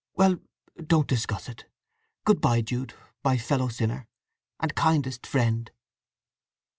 "Well—don't discuss it. Good bye, Jude; my fellow sinner, and kindest friend!"